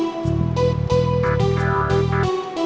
gak usah bawa ini